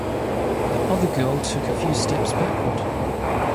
The other girl took a few steps backward.